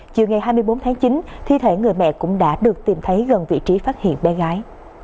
chiều ngày hai mươi bốn tháng chín thi thể người mẹ cũng đã được tìm thấy gần vị trí phát hiện bé gái